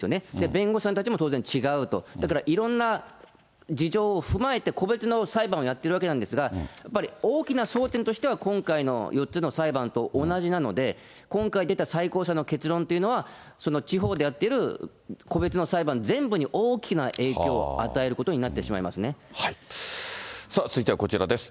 弁護士さんたちも当然違うと、だから、いろんな事情を踏まえて個別の裁判をやっているわけなんですが、やっぱり大きな争点としては、今回の４つの裁判と同じなので、今回出た最高裁の結論というのは、地方でやっている個別の裁判全部に大きな影響を与えることになっ続いてはこちらです。